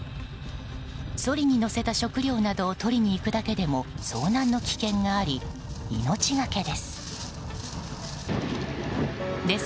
ソリに載せた食料などを取りに行くだけでも遭難の危険があり命がけです。